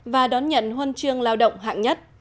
và đón nhận huân chương lao động hạng nhất